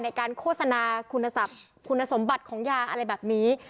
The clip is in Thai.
ในการโฆษณาคุณสมบัติของยาอะไรแบบนี้